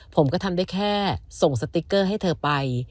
ผมก็ทำได้แค่ส่งสติ๊กเกอร์ให้เธอไป